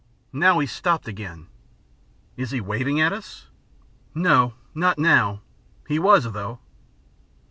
Now he's stopped again." "Is he waving at us?" "No, not now! he was, though."